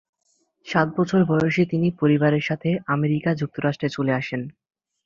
সাত বছর বয়সে তিনি পরিবারের সাথে আমেরিকা যুক্তরাষ্ট্রে চলে আসেন।